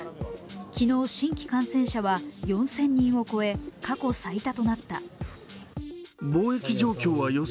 昨日、新規感染者は４０００人を超え過去最多となった。